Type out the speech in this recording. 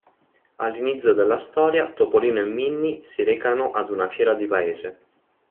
All'inizio della storia Topolino e Minni si recano ad una fiera di paese.